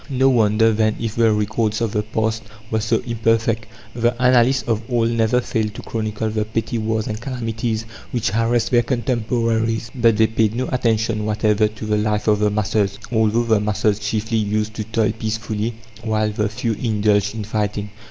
No wonder, then, if the records of the past were so imperfect. The annalists of old never failed to chronicle the petty wars and calamities which harassed their contemporaries; but they paid no attention whatever to the life of the masses, although the masses chiefly used to toil peacefully while the few indulged in fighting.